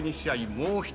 もう１人。